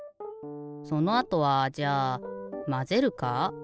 そのあとはじゃあまぜるか？